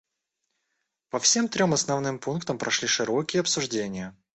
По всем трем основным пунктам прошли широкие обсуждения.